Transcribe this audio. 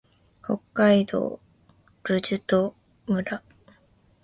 北海道留寿都村